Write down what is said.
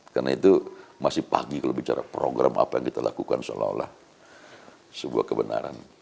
karena itu masih pagi kalau bicara program apa yang kita lakukan seolah olah sebuah kebenaran